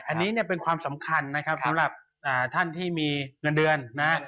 อันนี้เป็นความสำคัญสำหรับท่านที่มีเงินเดือน